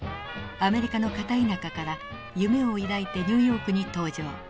アメリカの片田舎から夢を抱いてニューヨークに登場。